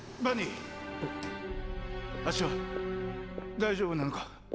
大丈夫なのか。